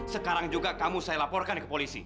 sekarang juga kamu saya laporkan ke polisi